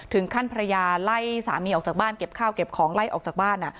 ภรรยาไล่สามีออกจากบ้านเก็บข้าวเก็บของไล่ออกจากบ้าน